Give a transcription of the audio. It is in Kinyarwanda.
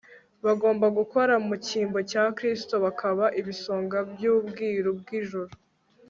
Bagomba gukora mu cyimbo cya Kristo bakaba ibisonga byubwiru bwijuru